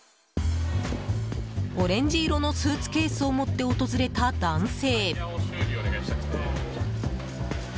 オレンジ色のスーツケースを持って訪れた男性。